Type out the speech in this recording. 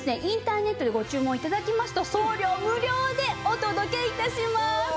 インターネットでご注文頂きますと送料無料でお届け致します。